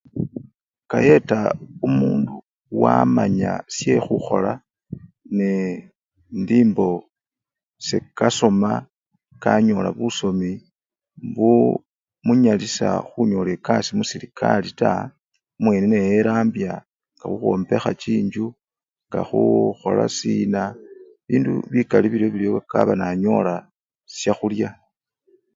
Kayeta omundu wamanya syekhukhola nee! indi mbo sekasoma, kanyola busomi buu!munyalisya khunyola ekasii muserekari taa, omwene neyerambya khukhwombekha chinjju nga khukhola sina, bindu bikali biryo biryo kaba nanyola syakhulya.